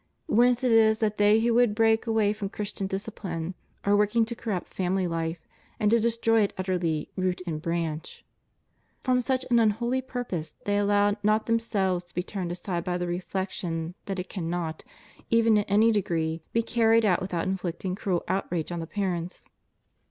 Whence it is that they who would break away from Christian disciphne are working to corrupt family life, and to destroy it utterly, root and branch. From such an unholy purpose they allow not themselves to be turned aside by the reflection that it cannot, even in any degree, be carried out without inflicting cruel out rage on the parents.